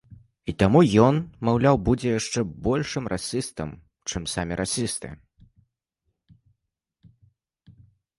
І таму ён, маўляў, будзе яшчэ большым расістам, чым самі расісты.